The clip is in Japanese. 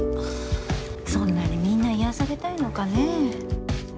そんなにみんな癒やされたいのかねえ。